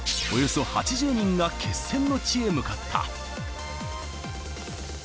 およそ８０人が決戦の地へ向かった。